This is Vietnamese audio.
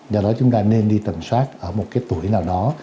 do đó chúng ta nên đi tầm soát ở một cái tuổi nào đó